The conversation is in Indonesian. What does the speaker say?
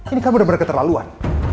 ini kan bener bener keterlaluan